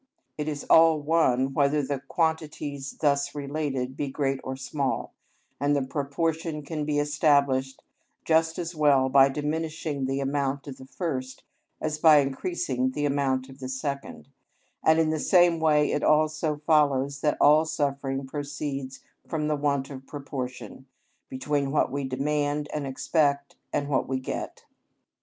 It is all one whether the quantities thus related be great or small, and the proportion can be established just as well by diminishing the amount of the first as by increasing the amount of the second; and in the same way it also follows that all suffering proceeds from the want of proportion between what we demand and expect and what we get.